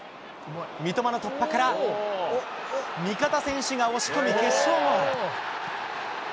三笘の突破から、味方選手が押し込み決勝ゴール。